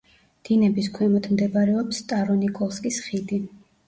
დინების ქვემოთ მდებარეობს სტარო-ნიკოლსკის ხიდი.